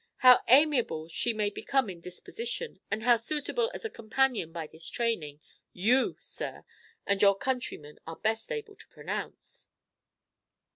How amiable she may become in disposition, and how suitable as a companion by this training, you, sir, and your countrymen are best able to pronounce."